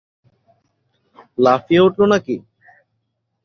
লাফিয়ে উঠলো নাকি?